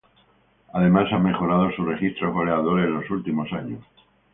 Además, ha mejorado sus registros goleadores en los últimos años.